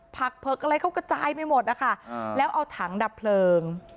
ผักเผือกอะไรเขากระจายไปหมดนะคะแล้วเอาถังดับเพลิง